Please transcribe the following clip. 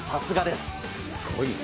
すごいね。